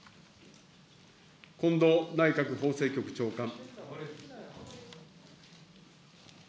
近藤内閣法制局長官。